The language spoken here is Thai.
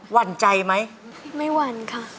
หั่นใจไหมไม่หวั่นค่ะ